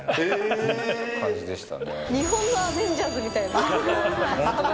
パパ、日本のアベンジャーズみたいな。